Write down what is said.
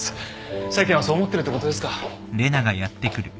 世間はそう思ってるってことですか？